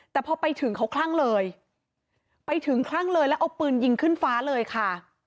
แต่พอไปถึงเขาคลั่งเลยไปถึงคลั่งเลยแล้วเอาปืนยิงขึ้นฟ้าเลยค่ะ